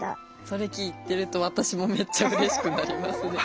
それ聞いてると私もめっちゃうれしくなりますね。